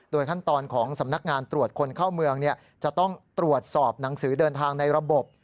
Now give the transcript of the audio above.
ขั้นตอนของสำนักงานตรวจคนเข้าเมืองจะต้องตรวจสอบหนังสือเดินทางในระบบ